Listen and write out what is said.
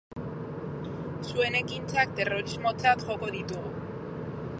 Zuen ekintzak terrorismotzat joko ditugu.